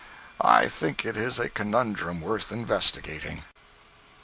I think it is a conundrum worth investigating.